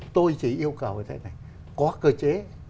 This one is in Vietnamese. tôi chỉ yêu cầu như thế này có cơ chế